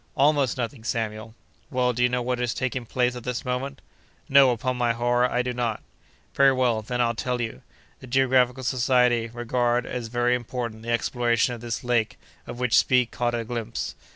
"Almost nothing, Samuel." "Well, do you know what is taking place at this moment?" "No, upon my honor, I do not." "Very well, then, I'll tell you. The Geographical Society regard as very important the exploration of this lake of which Speke caught a glimpse.